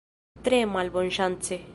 Tre malbonŝance.